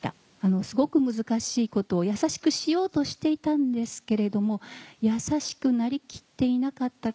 すごく難しいことを易しくしようとしていたんですけれども易しくなりきっていなかったかな。